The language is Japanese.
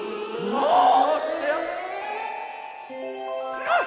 すごい！